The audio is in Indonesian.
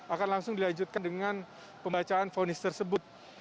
akan langsung dilanjutkan dengan pembacaan fonis tersebut